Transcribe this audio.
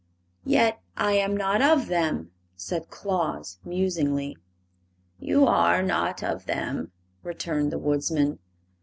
"Yet I am not of them," said Claus, musingly. "You are not of them," returned the Woodsman.